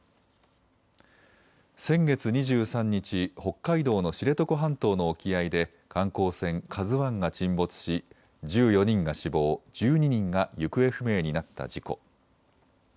先月２３日、北海道の知床半島の沖合で観光船ＫＡＺＵＩが沈没し１４人が死亡、１２人が行方不明になった事故。